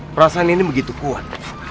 perasaan ini begitu kuat